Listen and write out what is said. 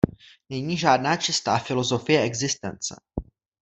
Není žádná čistá filosofie existence.